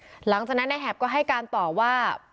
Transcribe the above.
จนกระทั่งเจ้าหน้าที่พบความผิดปกติแล้วก็เห็นรอยเท้า